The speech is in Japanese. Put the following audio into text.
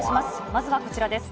まずはこちらです。